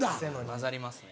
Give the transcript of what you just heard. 混ざりますね。